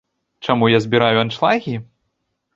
Чаму я збіраю аншлагі?